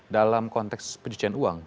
dalam konteks pencucian uang